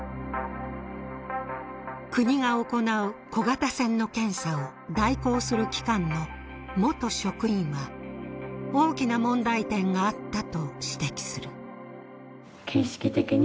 国が行う小型船の検査を代行する機関の元職員は大きな問題点があったと指摘する。